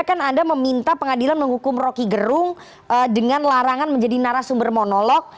kan anda meminta pengadilan menghukum rocky gerung dengan larangan menjadi narasumber monolog